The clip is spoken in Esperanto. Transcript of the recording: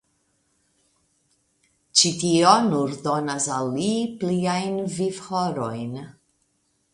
Ĉi tio nur donas al li pliajn vivhorojn.